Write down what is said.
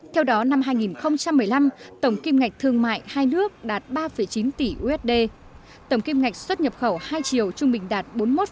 theo đó năm hai nghìn một mươi năm tổng kim ngạch thương mại hai nước đạt ba chín tỷ usd tổng kim ngạch xuất nhập khẩu hai triều trung bình đạt bốn mươi một sáu